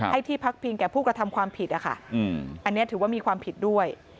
ที่พักพิงแก่ผู้กระทำความผิดนะคะอันนี้ถือว่ามีความผิดด้วย